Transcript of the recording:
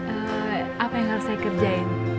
eee apa yang harus saya kerjain